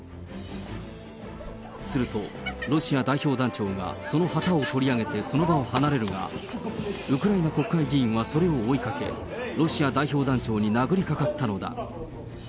すると、ロシア代表団長がその旗を取り上げて、その場を離れるが、ウクライナ国会議員はそれを追いかけ、ロシア代表団長に殴りかかったのだ。